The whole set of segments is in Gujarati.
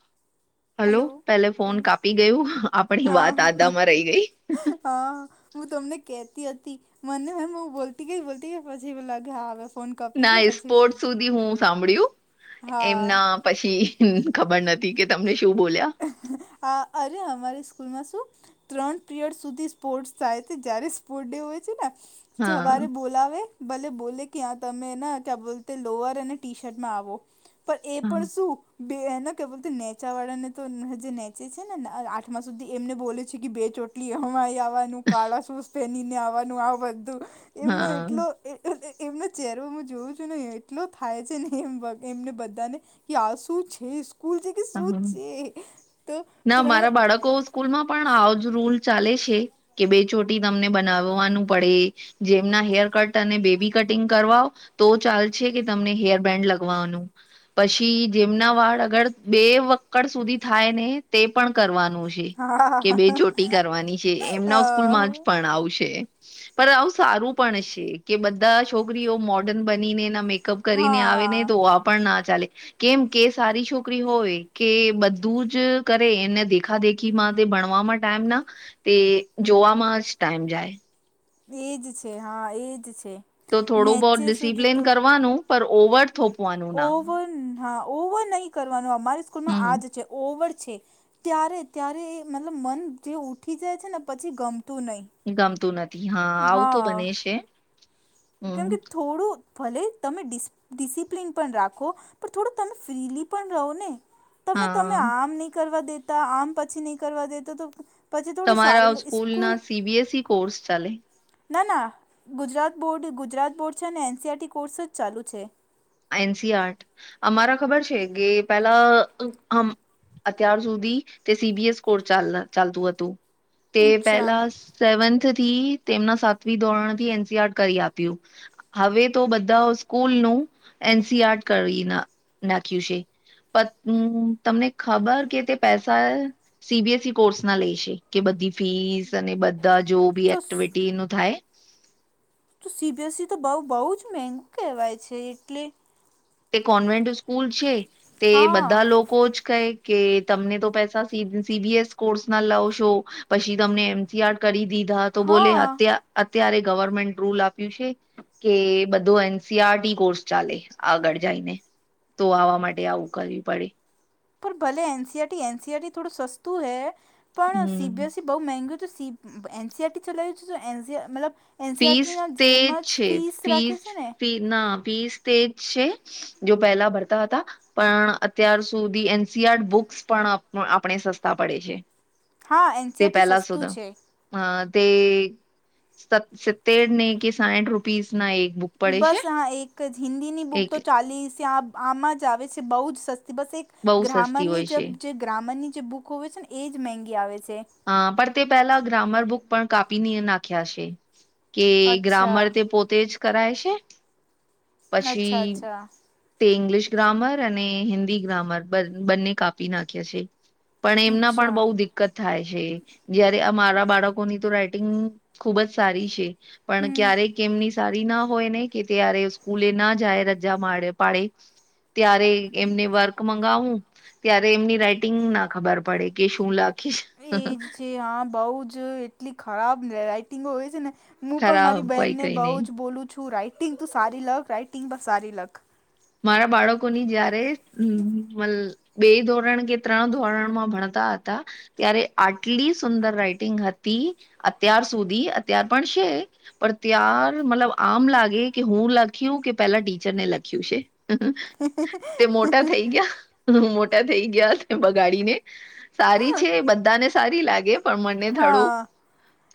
[inaudible] હલો પેલે ફોન કાપી ગયું આપણી હા વાત હા આદામાં રહી ગઈ. હા. હું તમને કેતી હતી મનેમ હ બોલતી ગઈ બોલતી ગઈ પછી લાગે હા. ફોન કપી ના ગયો પછી હું સ્પોર્ટ સુધી હું સાંભળ્યું હા એમના પછી ખબર નથી કે તમને શું બોલ્યા. આ અરે અમારી સ્કૂલમાં શું. ત્રણ પિરિયડ સુધી સ્પોર્ટ્સ થાય છે જ્યારે સ્પોર્ટ ડે હોય છે ને હા સવારે બોલાવે ભલે બોલે ક્યાં તમે ક્યાં બોલ લોવર અને ટી શર્ટમાં આવો. હા પણ એ પણ શું એના કેતે નેચાવાળા ને તો જે નેચે છે ને આઠમા સુધી એમને બોલે છે કે બે ચોટલી એ કાળા શૂઝ પહેનીને આવવાનું આ બધું એમનો હા એટલો એમનો ચહેરો હું જોઉં છું ને, એટલો થાય છે. નહીં એમ, એમને બધાને. કે આ શું છે? સ્કૂલ છે કે શું હા છે? તો ના, ત્રણ મારા બાળકો સ્કૂલમાં પણ આવજ રૂલ ચાલે છે. કે બે ચોટી તમને બનાવવાનું પડે. જેમના હેર કટ અને બેબી કટિંગ કરવા હોય. તો ચાલ છે કે, તમને હેર બેન્ડ લગવાનું. પછી જેમના વાળ આગળ બે વક્કડ સુધી થાય ને, તે પણ કરવાનું છે કે હા બે ચોટી. કરવાની છે અ એમના સ્કૂલ માં જ, પણ આવશે. પણ આવું સારું પણ છે કે, બધા છોકરીઓ મોર્ડર્ન બનીને એના મેકઅપ કરીને આવે હા નહીં તેવા, પણ ના ચાલે. કેમ કે, સારી શું? નોકરી હોય કે બધું જ કરે, એને દેખા દેખીમાં તે ભણવામાં ટાઈમ ના તે જોવામાં જ ટાઈમ જાય. એજ છે. હા, એજ છે. તો થોડું નેચે બહુત સુધી ડિસિપ્લિન તો કરવાનું પણ, ઓવર થોપવાનું ના. ઓવર હા, ઓવર નહીં કરવાનું. અમારી સ્કૂલમાં હમ આજ છે, ઓવર છે. ત્યારે ત્યારે એ મતલબ, મન જે ઊઠી જાય છે ને પછી ગમતું નહીં. ગમતું નથી. હા, આવું તો હા બને છે. કેમ હમ કે, થોડું ભલે તમે ડિસિપ્લન પણ રાખો. પણ, થોડું તમે ફ્રીલી પણ રહો ને. તમે હા તમે આમ નહીં કરવા દેતા, આમ પછી નહીં કરવા દેતા તો પછી થોડી તમારા સારી સ્કૂલ ના સીબીએસી કોર્સ ચાલે? ના, ના. ગુજરાત બોર્ડ ગુજરાત બોર્ડ છે અને એનસીઈઆરટી કોર્સ જ ચાલુ છે. એનસી આર્ટ અમારા ખબર છે કે પેલા. અત્યાર સુધી તે સીબીએસ કોર્સ ચાલતું હતું, તે અચ્છા પેલા. સેવન્થથી, તેમના સાતમી ધોરણ થી એનસીઆર કરી આપ્યું. હવે તો બધા સ્કૂલ નું એનસીઆર્ટ કરી ના નાખ્યું છે. પણ તમને ખબર કે તે પૈસા સીબીએસઇ કોર્સ ના લેશે કે, બધી ફીસ અને બધા જો બી તો એક્ટિવિટી ન થાય. તો સીબીએસઇ તો બઉ બહુ જ મોધુ કહેવાય છે, એટલે તે કોન્વેન્ટ સ્કૂલ છે, તે હા બધા લોકો જ કંઈ કે તમને તો પૈસા સી સીબીએસ કોર્સ ના લાવો છો. પછી તમને એમસીઆર કરી દીધા, તો બોલે હા અત અત્યારે ગવર્મેન્ટ રૂલ આપ્યું છે કે, બધો એનસીઆરટી કોર્સ ચાલે. આગળ જઈને તો, આવા માટે આવું કરવી પડે. પણ ભલે એનસીઆરટી, એનસીઆરટી થોડું સસ્તું હૈ, પણ હમ સીબીએસઈ બહુ મેગું હતું. એનસીઆરટી ચલાયું છે, એનસીઈઆરટી મતલબ ફીસ એનસીઈઆરટીના તે જેમ જ છે ફીસ રાખે છે ને? ફી ના વીસ તેજ છે, જો પહેલા ભરતા હતા. પણ, અત્યાર સુધી એનસીઆર્ડ બુક્સ પણ આપણે સસ્તા પડે છે. હા તે એનસીઆરટી પેલા સસ્તું સુધા છે હતું તે. સિતેર કે સાઠ રૂપીસ ના એક બુક. પડે બસ, છે હા. એક જ હિન્દીની બુક તો એક ચાલી છે. આ આમાં જ આવે છે, બહુ જ સસ્તી. બસ, એક. બહુ સસ્તી ગ્રામરની હોય જ છે જે ગ્રામરની જે બુક હોય છે ને, એજ મોધી આવે છે. હા, પણ તે પહેલા ગ્રામર બુક પણ કાપી ને નાખ્યા છે. કે અચ્છા ગ્રામર તે પોતે જ કરાય છે અચ્છા પછી. અચ્છા તે ઇંગ્લિશ ગ્રામર અને હિન્દી ગ્રામર બંને કાપી નાખ્યા છે. પણ એમના અચ્છા પણ બહુ દિક્કત થાય છે, જયારે મારા બાળકોની તો રાઈટિંગ ખુબ જ સારી છે, પણ હમ ક્યારેક કેમની સારી ના હોય ને, કે ત્યારે સ્કૂલે ના જાય, રજા પાડે. ત્યારે એમને વર્ક મગાવું, ત્યારે એમની રાઈટિંગ ના ખબર પડે કે શું લાગે. [unintelligible] જે હા બઉ જ એટલી ખરાબ રાઈટિંગો હોય છે ને. હું પણ મારી ખરાબ કોઈ બહેનને કઈ બહુ નહી જ બોલું છું રાઈટિંગ ત સારી લખ રાઈટિંગ પણ સારી લખ. મારા બાળકોની જયારે બે ધોરણ કે ત્રણ ધોરણ માં ભણતા હતા. ત્યારે આટલી સુંદર રાઈટિંગ હતી, અત્યાર સુધી અત્યાર પણ છે. પણ ત્યાર મતલબ આમ લાગે કે હું લખ્યું કે પેલા ટીચરને લખ્યું છે. હ તે મોટા થઈ ગયા. હ મોટા થઈ ગયા છે બગાડીને, સારી છે બધા ને સારી લાગે. પણ મને થડું હા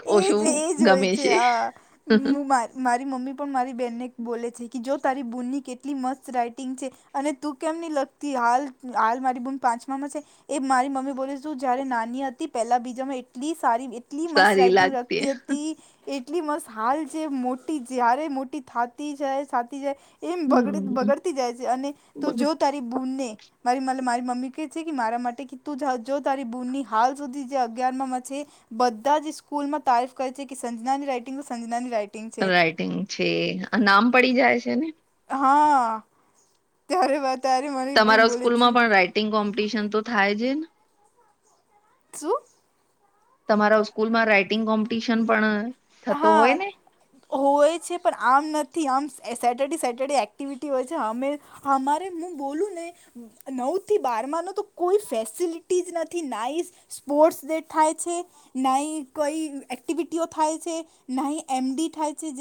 એજ ઓછું એજ હોય ગમે છે. આ હું માર મારી મમ્મી પણ મારી બેહેનને બોલે છે કે જો તારી બૂનની કેટલી મસ્ત રાઈટિંગ છે. અને તું કેમ ની લગતી હાલ હાલ મારી બૂમ પાંચમામાં છે. એ મારી મમ્મી બોલી જયારે નાની હતી પેલા બીજામાં એટલી સારી એટલી મસ્ત સારી રાઈટિંગ લાગતી રખતી હતી. એટલી મસ્ત હાલ જે મોટી જ્યારે મોટી થતી જાય થતી જાય. એમ બગડ હમ બગડતી જાય છે અને, તો જો તારી બૂનને. મારી મારી મમ્મી કે છે મારા માટે તું જો તારી બૂનની હાલ સુધી જે અગયાર છે, બધા જ સ્કૂલમાં તારીફ કરે છે કે સંજનાની રાઈટિંગ તો સંજના રાઈટિંગ. છે. રાઈટિંગ છે નામ પડી જાય છે ને. હા. ત્યારે ત્યારે મરી ભૂલ બોલે છે. ંગ કોમ્પિટિશન તો થાય છે ને? શું? તમારા સ્કૂલમાં રાઈટિંગ કોમ્પિટિશન પણ થતો હોય હા ને? હોય છે પણ આમ નથી આમ સેટરડે સેટર્ડે એક્ટિવિટી હોય છે અમે અમારે હું બોલું ને. નવથી બારમાંનો તો કોઈ ફેસિલિટી જ નથી નાઇસ. સ્પોર્ટ્સ ડે થાય છે નઈ કોઈ એક્ટિવિટીઓ થાય. એમ થાય છે હોય છે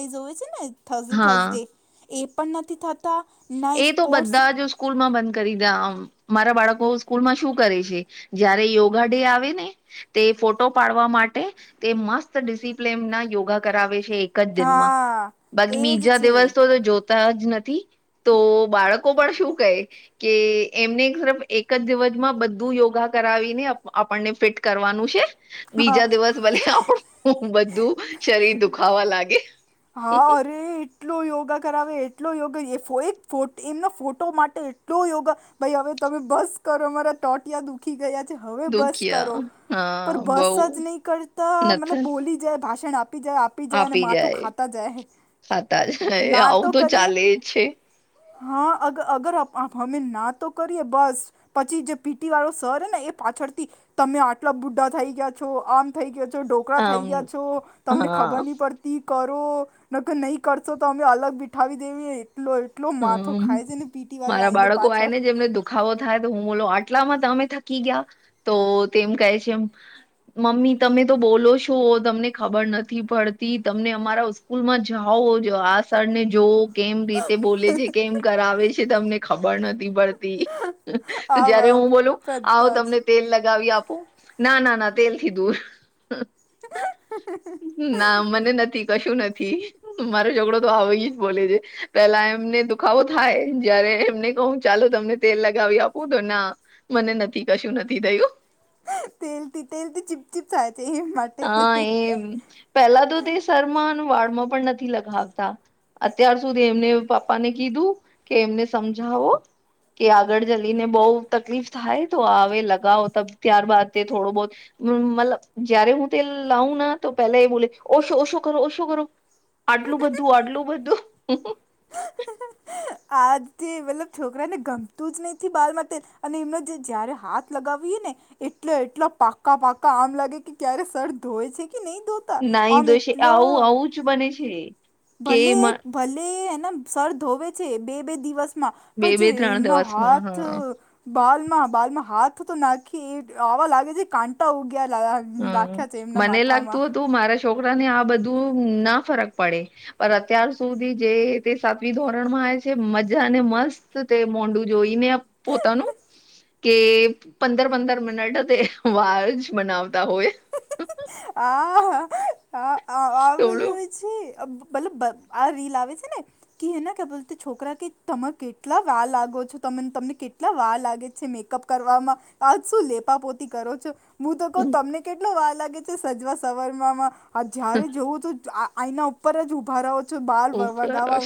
ને થે હા થસે. એ પણ નથી થતા, ન સ્પોર્ટ્સ સ્કૂલ માં બંધ કરી દા આમ. મારા બાળકો સ્કૂલમાં શું કરે છે, જયારે યોગા ડે આવે ને. તે ફોટો પાડવા માટે, તે મસ્ત ડિસિપ્લન ના યોગા કરાવે છે. એક જ દિનમાં, હા બાકી એજ બીજા છે દિવસ તો જોતા જ નથી. તો બાળકો પણ શું કહે. કે એમને તરફ એક જ દિવસમાં બધું યોગા કરાવીને આપણને ફિટ કરવાનું છે. હા બીજા દિવસ ભલે આપણું બધું શરીર દુખાવા લાગે. હા. અરે એટલો યોગા કરાવે એટલો યોગા એ એક ફો એમના ફોટો માટે એટલો યોગા. ભાઈ હવે તમે બસ કરો મારા ટોટિયા દુખી ગયા છે હવે બસ કરો. દુખ્યા પર હા બઉ બસ જ નહીં કરતા મતલબ નથન બોલી જાય ભાષણ આપી જાય આપ આપી જાય માથું ખાતા જાય, ખાતા જાય ના આવું તો કરીએ. ચાલે જ છે હા અગ અગર હમે ના તો કરીએે બસ. પછી જે પીટી વાળો સર હે ને એ પાછળથી, તમે આટલા બુઢા થઈ ગયા છો આમ થઈ ગયા છો ઢોકળા થઈ આમ ગયા છો, તમને હા ખબર નહી પડતી. ની કરો ને કે નહીં કરશો તો અમે અલગ બિઠાવી દેવી એટલો- - એટલો માથો હમ ખાય છે ને પીટી વાળો આઈને પાછળ- - ખાવો થાય તો હું બોલો આટલામાં તમે થકી ગયા તો તેમ કહે છે એમ? મમ્મી તમે તો બોલો છો તમને ખબર નથી પડતી તમને અમારા- - સ્કૂલ માં જાઓ આ સર ને જોવો કેમ- - તે બોલે છે કેમ કરાવે છે તમને ખબર નથી પડતી- તો આમ જયારે હું આમ બોલ આવો બધા તમને- જ તેલ લગાવી આપો ના ના ના તેલ થી દૂર. ના મને નથી- - કશું નથી મારો છોકડો તો આવ જ બોલે છે. પેલા એમને દુખાવો થાય જયારે એમને કહું ચાલો તમને તેલ લગાવી આપું તો ના. મને નથી કશું નથી થયુ. તેલથી તેલથી ચીપ ચીપ થાય છે એ માટે- - હા એ પેલા તો તે શમાં વાળમાં પણ નથી લગાવતા. અત્યાર સુધી એમને પપ્પા ને કીધું કે એમને સમજાવો- - કે આગળ જલીને બઉુ તકલીફ થાય તો હ લગાવો ત ત્યારબાદ તે થોડો બહ- - મતલબ જયારે હું- - તેલ લાઉ ના તો પહેલા એ બોલે ઓશો ઓછો કરો ઓછો કરો. આટલું બધું આટલું બધું. [inaudible] આજથી મતલબ છોકરાને ગમતું જ નહ બાર માટે અને એમનો જયારે હાથ- - લગાવીએ ને એટલો એટલો પાકા પાકા આમ લાગે કે ક્યારે સર ધોય છે કે નહી ધો- - નાહી દોસે આવ આવું છું બને છે. કે ભલે એક ભલે એને સર ધોવે છે બે બે દિવસ- - બે બે પછી ત્રણ એના દિવસમાં હાથ- હા - બાલ માં બાલ માં હાથ તો નાખી આવા લાગે છે કાંટા ઉગ્યા - - હમ મને લાગતું હતું મારા છોકરા ને આ બધું ના ફરક પડે. પર અત્યાર સુધી જે તે સાતવી ધોરણમાં આવે છે મજા અને મસ્ત- - તે મોંડું જોઈને પોતાનું- - કે પંદર પંદર મિનટ તે વાડ જ બનાવતા હોય. હા હ હ આવું થોડું જોઈ- - મતલબ આ રીલ આવે છે ને? કે એના કે બોલ છોકરા કે તર કેટલા વાર લાગો છો તમને કેટલા વાર લાગે છે મેકઅપ- - કરવામાં આજ શું લેપાપોતી કરો છો- - હું તો કઉ તમને કેટલો વાર લાગે છે સજવા સવરવામાં? આ જયારે જોવું તો આના ઉપર જ ઊભા રહો- - બળ ઉપરા વગાવા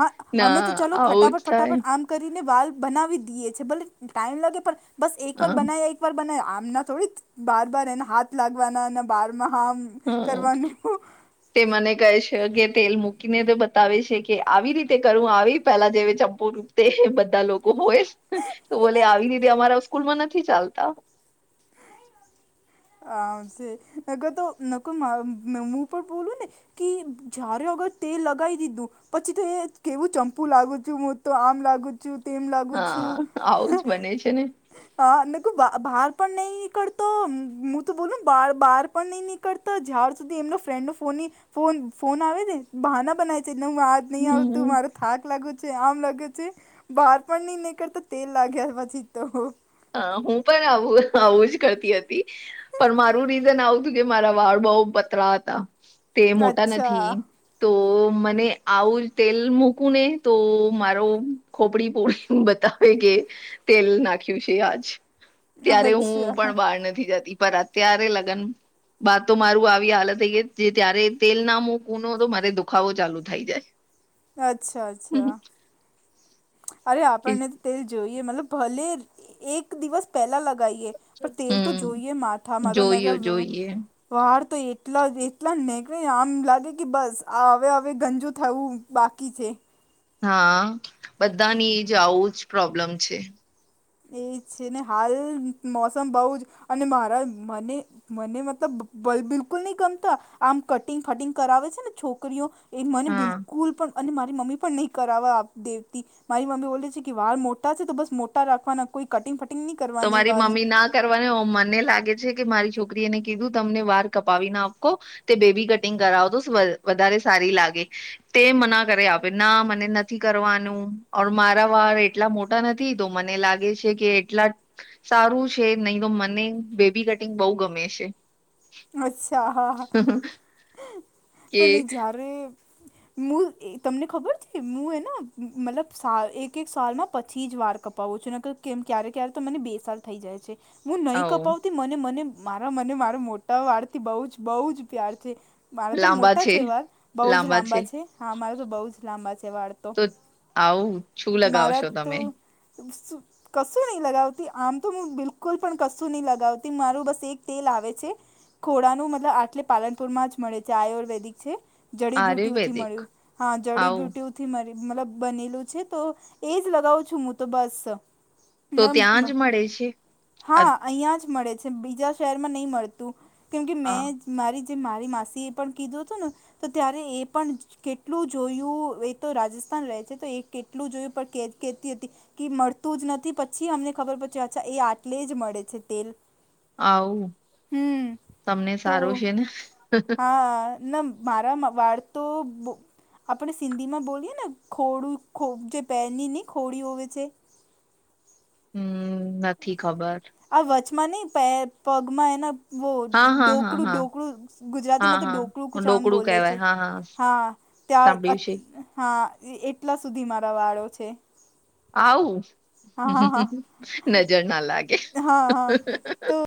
હા ના હમે તો ચાલલો આવું જ ફટાફટ થાય ફટાફટ આમ- - કરીને વાલ બનાવી દઈએ છે ભલે ટાઈમ લાગે પણ બસ એક વાર બના- હ - બના આમના થોડી બાર બાર એને હાથ લાગવાના અને બારમાં- - હા. તે મને કહે છે કે તેલ મૂકીને તે બતાવે છે કે આવી રીતે કરું આવી પેલા જેવી ચંપુર- - તે બધા લોકો બોય તો બોલે આવી રીતે અમારા સ્કૂલ માં નથી ચાલતા. હ છે નગર તો કોઈ હું પણ બોલું ને- - કે જ્યારે અગર તેલ લગાવી દીધું- - પછી તો એ કેવું ચંપુ લાગુ છું હું તો આમ લાગુ- - તેમ લાગું છું. હા આવું જ બને છે ને હ નક બહાર પણ નહી નીકડ તો- - હું તો બોલું બાર બહાર પણ નહીં નીકળતા જ્યાર સુધી એમનો ફ્રેન્ડનો ફોનની- - ફોન ફોન આવે બહાના બનાય- - હું આજ નહી આવતું હમ મારો થાક લાગુ છે આમ લાગુ છે બહાર પણ નહી ને- - તો તેલ લાગ્યા પછી તો હ હું પણ આવું આવું જ કરતી હતી પણ મારું રીઝન આવું હતું કે મારા વાળ બઉ પતરા હતા તે મોટા નથી અચ્છા તો મને આવું જ તેલ મૂકું ને તો મારો ખોપડી પોળી બતાવે કે તેલ નાંખ ખ્યુ છે આજ ત્યારે હું અચ્છા પણ બહાર નથી જતી પણ અત્યારે લગન બાદ તો મારું આવી હાલત થઈ ગઈ તે ત્યારે તેલ ના મુકુનો હતો મારે દુખાવો ચાલુ થઈ જાય અચ્છા, અચ્છા, અચ્છા. અરે આપણને ત તેલ જોઈએ મતલબ ભલે એક દિવસ પહેલા લગાઈએ પણ તેલ તો હમ જોઈએ માથામાં તો જોઈએ નકર જોઈએ વાળ તો એટલા જ એટલા જ નેહકળેને આમ લાગે કે બસ આ અવે અવે ગંજુ થવું બાકી છે. હા બધાની એજ આવું જ પ્રોબ્લમ છે. એ છે ને હાય મોસમ બઉ જ અને મારા મને મને મતલબ બ બિલકુલ ની ગમતા આમ કટિંગ ફટિંગ કરાવે છે ને છોકરીઓ એ મને હા. બિલકુલ પણ અને મારી મમ્મી પણ નઈ કરાવવા આપતી અતી, મારી મમ્મી બોલે છે કે વાર મોટા છે તો બસ મોટા રાખ ખવાના કોઈ કટિંગ ફટિંગ ની તો મારી મમ્મી ના કરવાને ઓ મને લાગે છે કે મારી છોકરી એને કીધું તમને વાર કપાવી નાખો તે બેબી કટિંગ કરાવો સ તો વધારે સારી લાગે. તે મના કર અવે ના મને નથી કરવાનું ઓર મારા વાર એટ લા મોટા નથી તો મને લાગે છે કે એટલા સારું છે નઈ તો મને બેબી કટિંગ બઉ ગમે છે. અચ્છા હા હા કે પન એ જ્યારે મું એ તમને ખબર છે મું હેના મતલબ સા એક એક સાલમાં પછી જ વાર કપાવું છું નકર કેમ ક્યારે ક્યારે તો મને બે સાલ થઈ જાય છે, મું નઈ કપાવતી મને મને મારા મને મારો મો ટા વાળથી બઉ જ બઉ જ પ્યાર છે. મારા તો મોટા છે વાર બઉ જ લાંબા છે, હાં મારા તો બઉ જ લાંબા છે વાળ તો આવું છુ લગાવ છો તમે? ત સુું કશું નઈ લગાવતી આમ તો મું બિલકુલ પણ કશું ની લગાવતી મારું બસ એક તેલ આવે છે ખોડાનું મતલબ આટલે પાલનપુર માં જ મળે છે આયુર્વેદિક છે જડીબ્યુટુ ઓથી આયુર્વેદિક મળ્યું હા જડી આવું બ્યુટુ થી મર મતલબ બનેલું છે તો એ જ લગાવું છું મું તો બસ તો ત્યાં નમ જ મળે છે હાં અઈયાં જ મળે છે, બીજા શહેરમાં નઈ મળતું કેમ કે મેં જ મારી જે મારી માસી એ પણ કીધું હતું ને તો ત્યારે એ પણ કેટલું જોયું એ તો રાજસ્થાન રેહ છે તો એ કેટલું જોયું પણ કે કેતી હતી કે મળતું જ નથી પછી અમને ખબર પડ અચ્છા એ આટલે જ મડે છે તેલ આઉં હમ તમને તો સારુ છે ને હા ના મારામ વાળ તો બો આપડે સિંધીમાં બોલીએ ને ખોડું ખો જે પેરની નઈ ખોડી હોય છે હમ્મ નથી ખબર આ વચમાં નય પેર પગમાં એના વો હા હા હા ડોકડું હા ડોકડું હા ગુજરાતીમાં તો ડોકડું હા કુછ આમ ડોકડું બોલે છે કહેવાય હા હા હાં ત્યાં સાંભળ્યું છે હાં એટલા સુધી મારા વાળો છે આઉં હા હા હા નજર ના લાગે. હા હા તો